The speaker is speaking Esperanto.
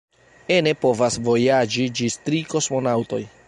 Ene povas vojaĝi ĝis tri kosmonaŭtoj.